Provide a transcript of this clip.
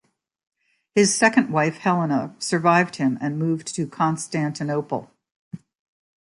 His second wife Helena survived him and moved to Constantinople.